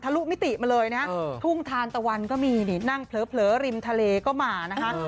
ลุมิติมาเลยนะทุ่งทานตะวันก็มีนี่นั่งเผลอริมทะเลก็มานะคะ